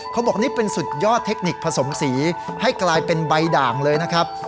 เขาบอกนี่เป็นสุดยอดเทคนิคผสมสีให้กลายเป็นใบด่างเลยนะครับ